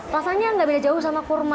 rasanya nggak beda jauh sama kurma